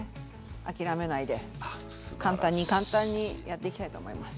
諦めないで簡単に簡単にやっていきたいと思います。